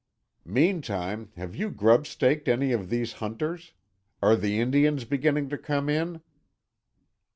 "Meantime, have you grub staked any of these hunters? Are the Indians beginning to come in?"